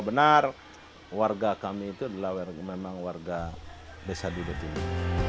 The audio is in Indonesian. benar warga kami itu memang warga desa dudatimur